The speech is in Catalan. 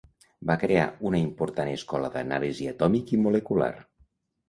Va crear una important escola d'anàlisi atòmic i molecular.